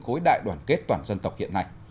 khối đại đoàn kết toàn dân tộc hiện nay